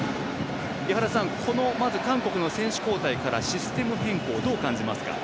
井原さん、韓国の選手交代からシステム変更、どう感じますか？